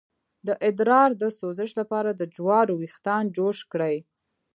د ادرار د سوزش لپاره د جوارو ویښتان جوش کړئ